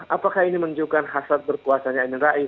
apakah ini menunjukkan hasrat berkuasanya amin rais